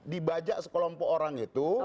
dibajak sekelompok orang itu